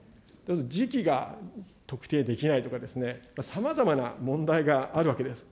時期が特定できないとか、さまざまな問題があるわけです。